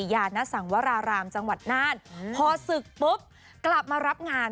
ยานสังวรารามจังหวัดน่านพอศึกปุ๊บกลับมารับงาน